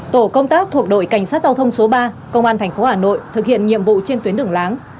tổ công tác thuộc đội cảnh sát giao thông số ba công an tp hà nội thực hiện nhiệm vụ trên tuyến đường láng